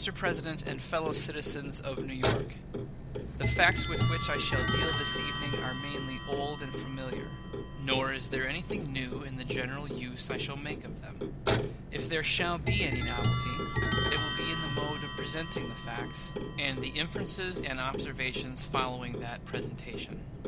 PRESIDENT AND FELLOW CITIZENS OF NEW YORK: The facts with which I shall deal this evening are mainly old and familiar; nor is there anything new in the general use I shall make of them. If there shall be any novelty, it will be in the mode of presenting the facts, and the inferences and observations following that presentation.